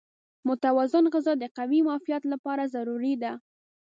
متوازن غذا د قوي معافیت لپاره ضروري ده.